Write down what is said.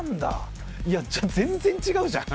いやじゃあ全然違うじゃん。